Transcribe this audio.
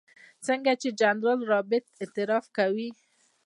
لکه څنګه چې جنرال رابرټس اعتراف کوي.